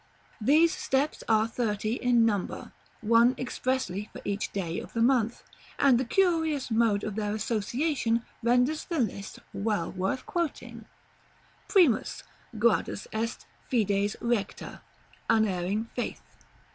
These Steps are thirty in number (one expressly for each day of the month), and the curious mode of their association renders the list well worth quoting: § LIV. Primus gradus est Fides Recta. Unerring faith.